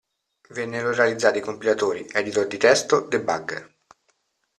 Vennero realizzati compilatori, editor di testo, debugger.